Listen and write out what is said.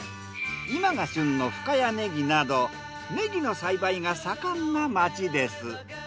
今が旬の深谷ねぎなどねぎの栽培が盛んな街です。